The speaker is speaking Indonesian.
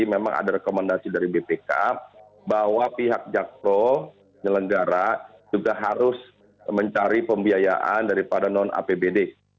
memang ada rekomendasi dari bpk bahwa pihak jakpro penyelenggara juga harus mencari pembiayaan daripada non apbd